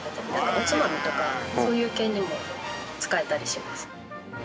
おつまみとかそういう系にも使えたりします。